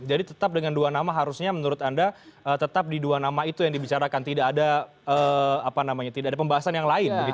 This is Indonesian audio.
jadi tetap dengan dua nama harusnya menurut anda tetap di dua nama itu yang dibicarakan tidak ada apa namanya tidak ada pembahasan yang lain begitu